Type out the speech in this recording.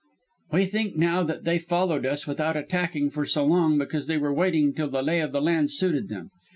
_] "We think now that they followed us without attacking for so long because they were waiting till the lay of the land suited them.